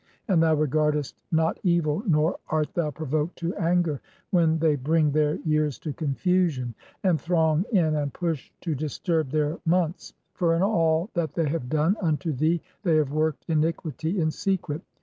And thou regardest "not evil, nor art thou (7) provoked to anger when they bring "their years to confusion and throng in and push to disturb "their months ; for in all that they have done (8) unto thee "they have worked iniquity in secret.